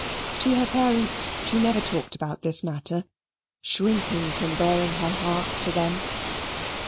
To her parents she never talked about this matter, shrinking from baring her heart to them.